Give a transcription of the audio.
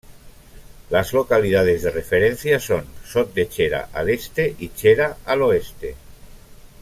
Las localidades de referencia son Sot de Chera al este y Chera al oeste.